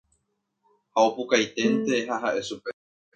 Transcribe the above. ha apukaiténte ha ha'e chupe